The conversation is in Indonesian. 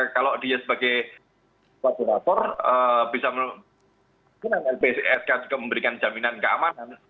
kalau dia sebagai kolaborator bisa lpsk juga memberikan jaminan keamanan